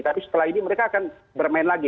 tapi setelah ini mereka akan bermain lagi